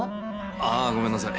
ああごめんなさい。